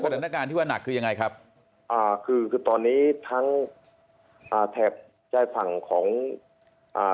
กระดับหน้าการที่ว่านักคือยังไงครับอ่าคือคือตอนนี้ทั้งอ่าแถบใจฝั่งของอ่า